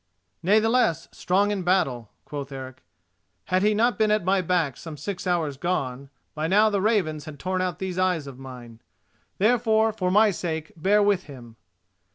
"Natheless a strong in battle," quoth Eric; "had he not been at my back some six hours gone, by now the ravens had torn out these eyes of mine. Therefore, for my sake, bear with him."